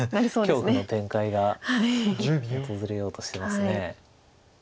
恐怖の展開が訪れようとしてます。